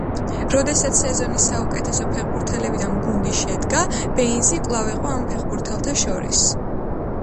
როდესაც სეზონის საუკეთესო ფეხბურთელებიდან გუნდი შედგა ბეინზი კვლავ იყო ამ ფეხბურთელთა შორის.